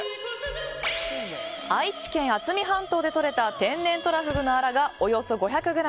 愛知県渥美半島でとれた天然トラフグのアラがおよそ５００ｇ。